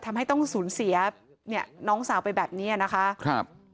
ทำให้ต้องสูญเสียเนี่ยน้องสาวไปแบบนี้นะคะครับ